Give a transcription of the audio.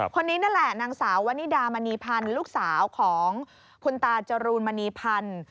คนนี้นั่นแหละนางสาววนิดามณีพันธ์ลูกสาวของคุณตาจรูนมณีพันธ์